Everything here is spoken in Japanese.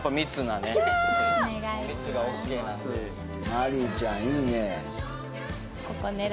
マリーちゃんいいね。